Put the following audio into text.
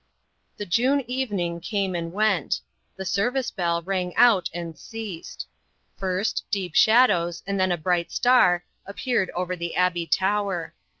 The June evening came and went. The service bell rang out and ceased. First, deep shadows, and then a bright star, appeared over the Abbey tower.